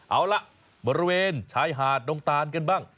เอาล่ะบริเวณชายหาดดงตานกันบ้าง